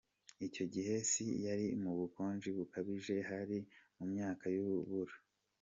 Icyo gihe isi yari mu bukonje bukabije, hari mu myaka y’urubura .